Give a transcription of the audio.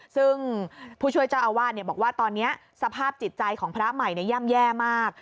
ซึ่งผู้ช่วยเจ้าอาวาสบอกว่าตอนนี้สภาพจิตใจของพระใหม่ย่ำแย่มาก